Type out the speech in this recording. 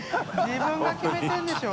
自分が決めてるんでしょ。